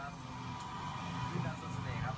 ข้อมูลเข้ามาดูครับ